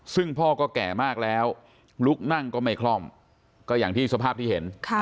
ซึ่งพ่อก็แก่มากแล้วลุกนั่งก็ไม่คล่อมก็อย่างที่สภาพที่เห็น